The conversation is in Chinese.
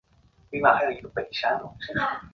画中的男子为该壁画的创作者。